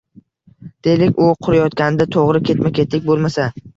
Deylik, uy qurayotganda to‘g‘ri ketma-ketlik bo‘lmasa